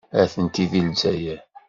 Atenti deg Lezzayer.